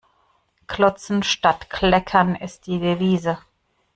Klotzen statt Kleckern ist die Devise.